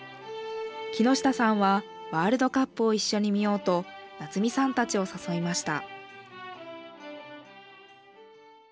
木下さんはワールドカップを一緒に見ようと夏美さんたちを誘いました。